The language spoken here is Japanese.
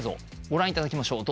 ご覧いただきましょう。